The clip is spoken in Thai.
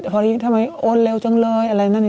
พอดีทำไมโอนเร็วจังเลยอะไรนั่น